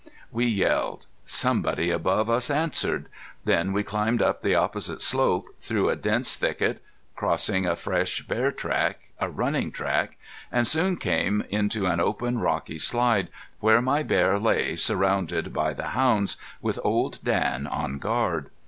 We yelled. Somebody above us answered. Then we climbed up the opposite slope, through a dense thicket, crossing a fresh bear track, a running track, and soon came into an open rocky slide where my bear lay surrounded by the hounds, with Old Dan on guard.